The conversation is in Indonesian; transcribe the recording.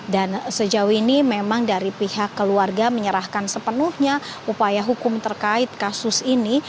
dan sejauh ini memang dari pihak keluarga menyerahkan sepenuhnya upaya hukum terkait kasus ini